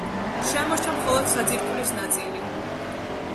შემორჩა მხოლოდ საძირკვლის ნაწილი.